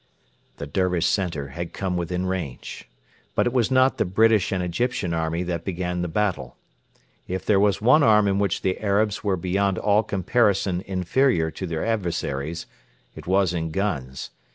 The Dervish centre had come within range. But it was not the British and Egyptian army that began the battle. If there was one arm in which the Arabs were beyond all comparison inferior to their adversaries, it was in guns.